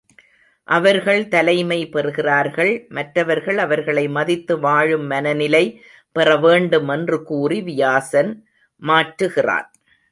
அவர்கள் தலைமை பெறுகிறார்கள் மற்றவர்கள் அவர்களை மதித்து வாழும் மனநிலை பெற வேண்டும் என்று கூறி வியாசன் மாற்றுகிறான்.